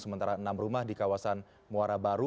sementara enam rumah di kawasan muara baru